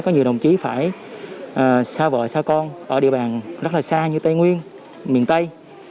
có nhiều đồng chí phải xa vợ xa con ở địa bàn rất là xa như tây nguyên miền tây